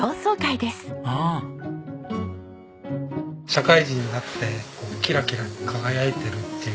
社会人になってキラキラ輝いてるっていうか。